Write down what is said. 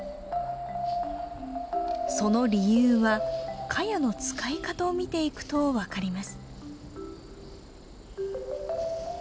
その理由はカヤの使い方を見ていくと分かります。